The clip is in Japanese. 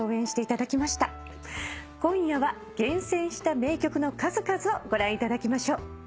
今夜は厳選した名曲の数々をご覧いただきましょう。